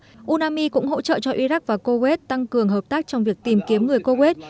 phái bộ unami cũng hỗ trợ cho iraq và kuwait tăng cường hợp tác trong việc tìm kiếm người kuwait